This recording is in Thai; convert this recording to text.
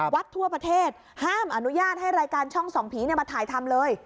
วัดทั่วประเทศห้ามอนุญาตให้รายการช่องส่องผีมาถ่ายทำเลย